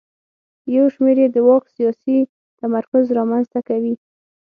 یو شمېر یې د واک سیاسي تمرکز رامنځته کوي.